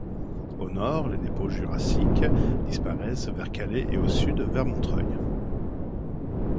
Au nord, les dépôts jurassiques disparaissent vers Calais et au sud vers Montreuil.